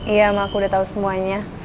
iya ma aku udah tau semuanya